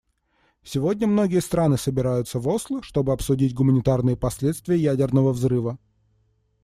Сегодня многие страны собираются в Осло, чтобы обсудить гуманитарные последствия ядерного взрыва.